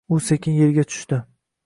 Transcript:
U sekin yerga tushdi.